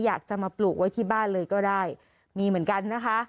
อยากจะมาปลูกไว้ที่บ้านเลยก็ได้มีเหมือนกันนะคะ